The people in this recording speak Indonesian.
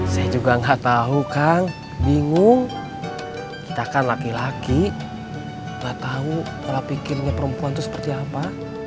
saya juga gak tahu kang bingung kita kan laki laki gak tahu pola pikirnya perempuan itu seperti apa